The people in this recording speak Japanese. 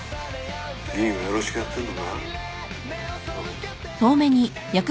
議員はよろしくやってんのか？